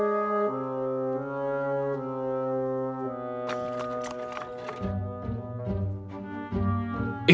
tunggu tuan aku akan mencari dia